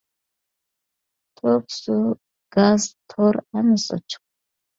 توك، سۇ، گاز، تور ھەممىسى ئوچۇق.